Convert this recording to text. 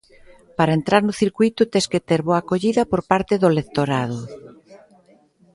Para entrar no circuíto tes que ter boa acollida por parte do lectorado.